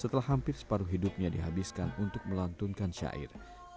setelah hampir separuh hidupnya dihabiskan untuk melantunkan syair